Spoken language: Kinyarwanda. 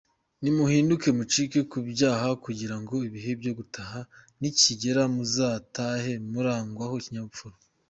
Nimuhunduke mucike ku byaha kugira ngo igihe cyo gutaha nikigera muzatahe murangwaho ikinyabupfura.